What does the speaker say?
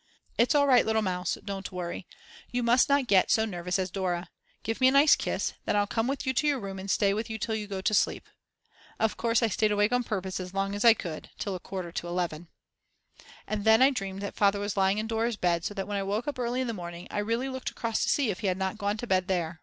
"It's all right, little Mouse, don't worry, you must not get so nervous as Dora. Give me a nice kiss, and then I'll come with you to your room and stay with you till you go to sleep." Of course I stayed awake on purpose as long as I could, till a quarter to 11. And then I dreamed that Father was lying in Dora's bed so that when I woke up early in the morning I really looked across to see if he had not gone to bed there.